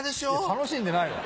楽しんでないわ。